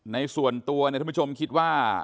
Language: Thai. ในส่วนตัวอาทิตย์ผู้ชมคิดว่า